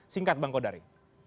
singkat bang kodari